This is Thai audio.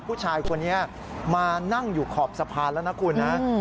ผู้ชายคนนี้มานั่งอยู่ขอบสะพานแล้วนะคุณนะ